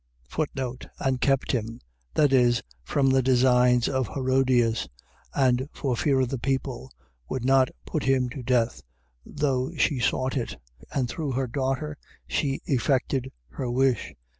And kept him. . .That is, from the designs of Herodias; and for fear of the people, would not put him to death, though she sought it; and through her daughter she effected her wish.